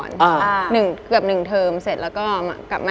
อเจมส์ติดที่เชียงใหม่